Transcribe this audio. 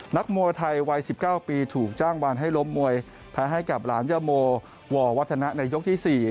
นักมวยไทยวัย๑๙ปีถูกจ้างวานให้ล้มมวยแพ้ให้กับหลานยาโมวัฒนะในยกที่๔